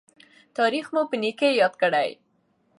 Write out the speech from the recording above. تاریخ مو په نیکۍ یاد کړي.